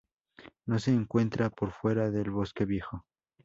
No se encuentra por fuera del bosque viejo.